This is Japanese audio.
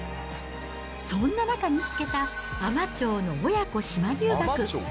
そんな中、見つけた海士町の親子島留学。